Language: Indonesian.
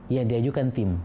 yang diajukan tim